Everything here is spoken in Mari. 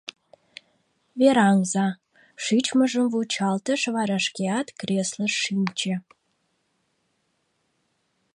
— Вераҥза, — шичмыжым вучалтыш, вара шкеат креслыш шинче.